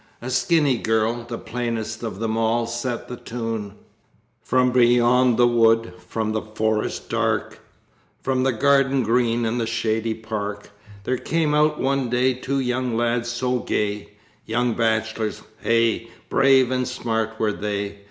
A skinny girl, the plainest of them all, set the tune: 'From beyond the wood, from the forest dark, From the garden green and the shady park, There came out one day two young lads so gay. Young bachelors, hey! brave and smart were they!